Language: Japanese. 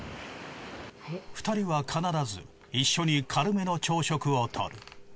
２人は必ず一緒に軽めの朝食をとる。